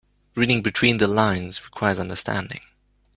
Reading between the lines requires understanding.